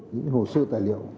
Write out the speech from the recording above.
những hồ sơ tài liệu